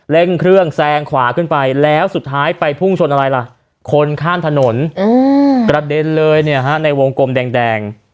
เร่งเครื่องแซงขวาขึ้นไปแล้วสุดท้ายไปพุ่งชนอะไรล่ะคนข้ามถนนกระเด็นเลยเนี่ยฮะในวงกลมแดง